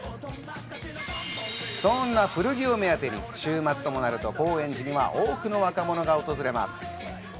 そんな古着を目当てに週末ともなると高円寺には多くの若者が訪れます。